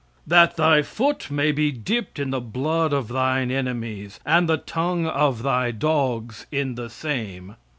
"That thy foot may be dipped in the blood of thine enemies and the tongue of thy dogs in the same."